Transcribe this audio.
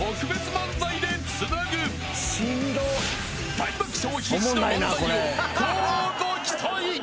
［大爆笑必至の漫才を乞うご期待！］